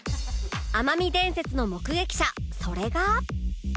天海伝説の目撃者それが